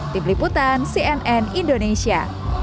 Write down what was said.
tim liputan cnn indonesia